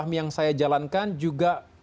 dan peraturan yang saya jalankan juga